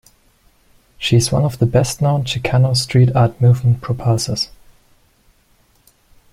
She is one of the best known Chicano street art movement propulsors.